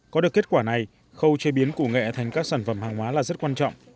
có được kết quả này khâu chế biến củ nghệ thành các sản phẩm hàng hóa là rất quan trọng